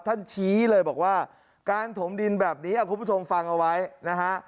ชี้เลยบอกว่าการถมดินแบบนี้คุณผู้ชมฟังเอาไว้นะฮะ